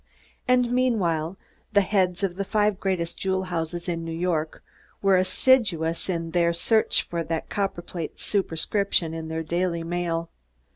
And meanwhile the heads of the five greatest jewel houses in New York were assiduous in their search for that copperplate superscription in their daily mail.